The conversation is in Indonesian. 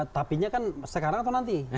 tapi nya kan sekarang atau nanti